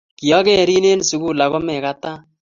Kiakeren en sukul ako mekatan